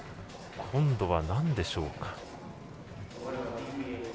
今度はなんでしょうか。